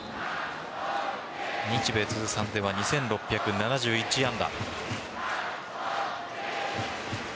日米通算では２６７１安打。